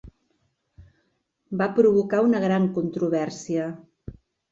Va provocar una gran controvèrsia.